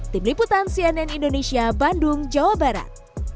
tim liputan cnn indonesia bandung jawa barat